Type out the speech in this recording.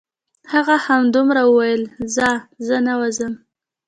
هغه همدومره وویل: ځه زه نه وځم.